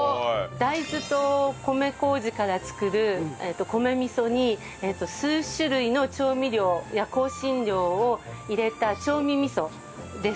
大豆と米麹から作る米味噌に数種類の調味料や香辛料を入れた調味味噌です。